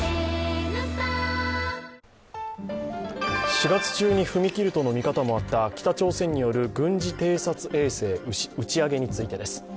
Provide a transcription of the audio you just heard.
４月中に踏み切るとの見方もあった北朝鮮による軍事偵察衛星打ち上げについてです。